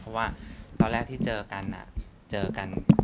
เพราะว่าตอนแรกที่เจอกัน